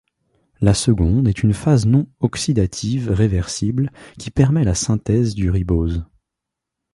La seconde est une phase non oxydative réversible qui permet la synthèse du ribose.